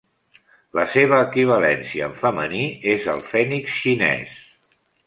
La seva equivalència en femení és el fènix xinès.